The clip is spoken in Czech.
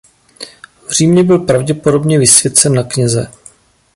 V Římě byl pravděpodobně vysvěcen na kněze.